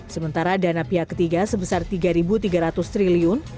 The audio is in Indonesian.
sementara dana pihak ketiga sebesar rp tiga tiga ratus triliun